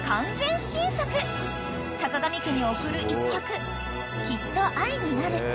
［さかがみ家に贈る１曲『きっと愛になる』］